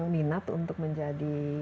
minat untuk menjadi